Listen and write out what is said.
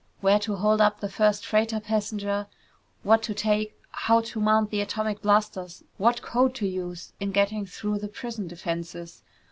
Where to hold up the first freighter passenger, what to take, how to mount the atomic blasters, what code to use in getting through the prison defenses.